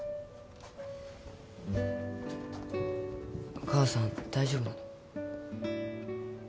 お母さん大丈夫なの？